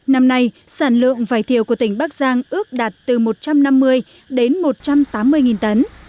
năm nay sản lượng vải thiều của tỉnh bắc giang ước đạt từ một trăm năm mươi đến một trăm tám mươi tấn